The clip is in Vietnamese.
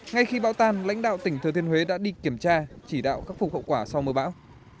ngay khi bão tan lãnh đạo tỉnh thừa thiên huế đã đi kiểm tra chỉ đạo khắc phục hậu quả sau mưa bão